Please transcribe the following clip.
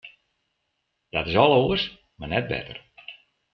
Dat is al oars, mar net better.